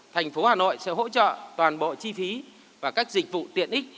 thành phố hà nội sẽ hỗ trợ toàn bộ chi phí và các dịch vụ tiện ích